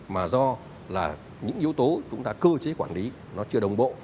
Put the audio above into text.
mà do là những yếu tố chúng ta cơ chế quản lý nó chưa đồng bộ